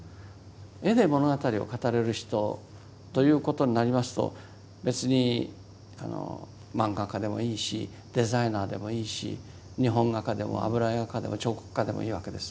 絵で物語を語れる人ということになりますと別に漫画家でもいいしデザイナーでもいいし日本画家でも油絵画家でも彫刻家でもいいわけです。